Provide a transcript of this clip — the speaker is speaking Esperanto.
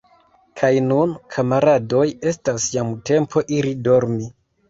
Kaj nun, kamaradoj, estas jam tempo iri dormi.